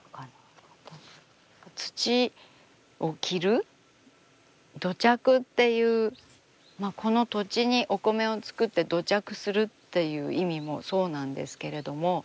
土を着る土着っていうこの土地にお米を作って土着するっていう意味もそうなんですけれども。